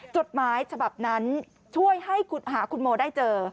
จดหมายฉบับนั้นช่วยให้หาคุณโมได้เจอ